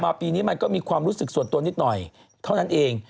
ปีนี้มันก็มีความรู้สึกส่วนตัวนิดหน่อยเท่านั้นเอง